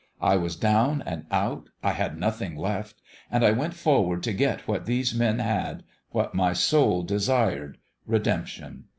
I was down and out. I had nothing left. And I went forward to get what these men had what my soul desired redemption.